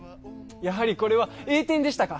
やはりこれは栄転でしたか。